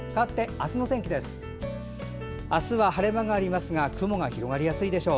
あすは晴れ間がありますが雲が広がりやすいでしょう。